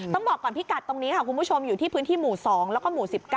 ต้องบอกก่อนพิกัดตรงนี้ค่ะคุณผู้ชมอยู่ที่พื้นที่หมู่๒แล้วก็หมู่๑๙